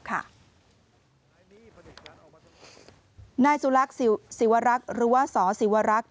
นายสุรักษ์ศิวรักษ์หรือว่าสศิวรักษ์